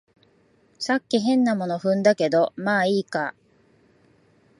さっき変なもの踏んだけど、まあいいか